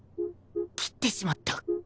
切ってしまった